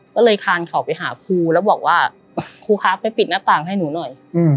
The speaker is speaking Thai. ก็เลยคานเขาไปหาครูแล้วบอกว่าครูคะไปปิดหน้าต่างให้หนูหน่อย